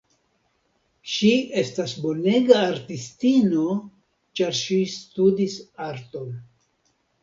Ŝi estas bonega artistino ĉar ŝi studis arton.